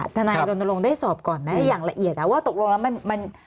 ทนายรณรงค์ได้สอบก่อนไหมอย่างละเอียดว่าตกลงแล้วมัน